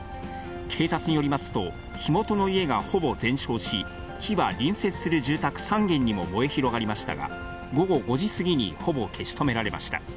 警察によりますと、火元の家がほぼ全焼し、火は隣接する住宅３軒にも燃え広がりましたが、午後５時過ぎにほぼ消し止められました。